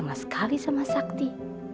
sama sekali sama sakti